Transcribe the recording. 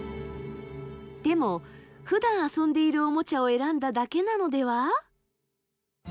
でもふだん遊んでいるおもちゃを選んだだけなのでは？